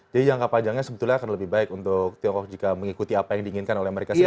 jadi jangka panjangnya sebetulnya akan lebih baik untuk tiongkok jika mengikuti apa yang diinginkan oleh amerika serikat